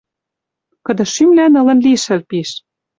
Кыды шӱмлӓн ылын лишӹл пиш.